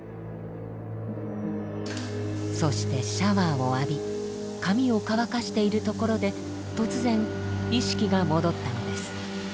そしてシャワーを浴び髪を乾かしているところで突然意識が戻ったのです。